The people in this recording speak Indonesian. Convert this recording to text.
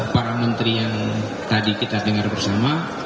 para menteri yang tadi kita dengar bersama